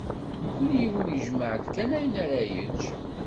Mkul yiwen ijmeɛ-d kan ayen ara yečč.